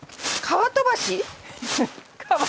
皮飛ばし！